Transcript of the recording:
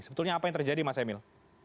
sebetulnya apa yang terjadi mas emil